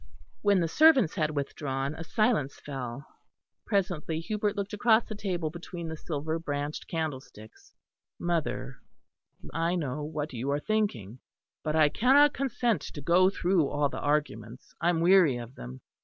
When the servants had withdrawn, a silence fell. Presently Hubert looked across the table between the silver branched candlesticks. "Mother," he said, "of course I know what you are thinking. But I cannot consent to go through all the arguments; I am weary of them.